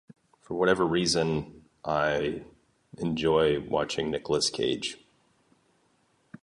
for whatever reason, I enjoy watching Nicolas Cage